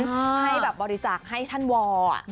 ให้แบบบริจาคให้ท่านวอล